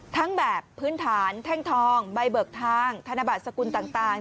ทั้งแบบพื้นฐานแท่งทองใบเบิกทางธนบัตรสกุลต่าง